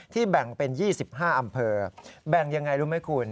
แบ่งเป็น๒๕อำเภอแบ่งยังไงรู้ไหมคุณ